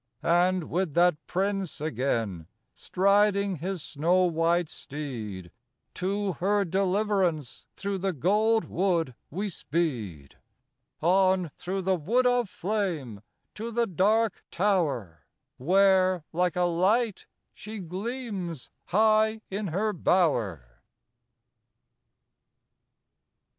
And with that Prince again, striding his snow white steed, To her deliverance through the gold wood we speed; On through the wood of flame to the Dark Tower, Where like a light she gleams high in her bower.